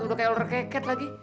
udah kayak olor keket lagi